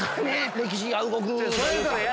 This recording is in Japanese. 歴史が動く。